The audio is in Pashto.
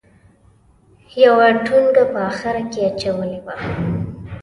یوه ټونګه په اخره کې اچولې وه.